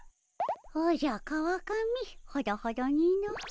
おじゃ川上ほどほどにの。